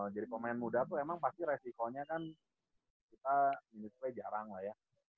jadi pemain muda tuh emang pasti resikonya kan kita menisplay jarang lah ya